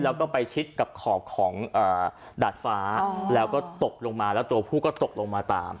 แล้วก็ไปชิดกับขอบของดาดฟ้าแล้วก็ตกลงมาแล้วตัวผู้ก็ตกลงมาตาม